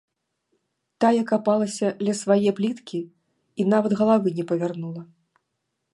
Тая капалася ля свае пліткі і нават галавы не павярнула.